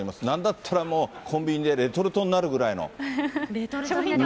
なんだったらコンビニでレトルトになるぐらいの。